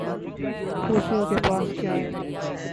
حوثیوں کے پاس کیا ہے؟